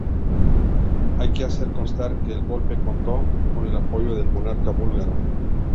Hay que hacer constar que el golpe contó con el apoyo del monarca búlgaro.